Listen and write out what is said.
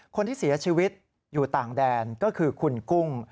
คนที่เสียชีวิตอยู่ต่างแดนก็คือคุณกุ้ง